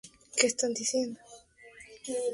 Escultor noruego.